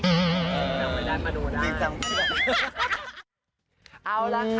จริงจังไม่ได้มะโนได้